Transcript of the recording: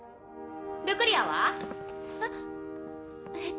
ルクリアは？えっ？